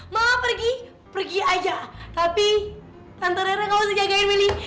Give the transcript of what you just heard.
mama pergi pergi aja tapi tante rera gak usah jagain melly